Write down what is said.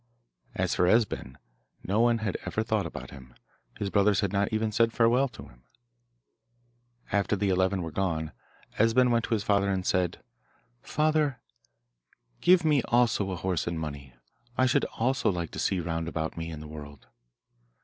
As for Esben, no one had ever thought about him; his brothers had not even said farewell to him. After the eleven were gone Esben went to his father and said, 'Father, give me also a horse and money; I should also like to see round about me in the world.